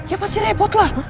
ya pasti repot lah